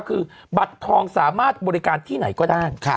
คือบัตรทองสามารถบริการที่ไหนก็ได้